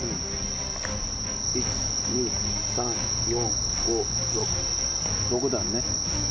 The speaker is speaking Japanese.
１、２、３、４、５、６、６段ね。